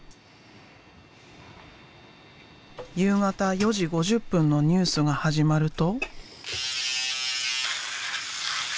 夕方４時５０分のニュースが始まると。